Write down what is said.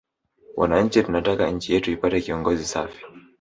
Wananchi tunataka nchi yetu ipate kiongozi safi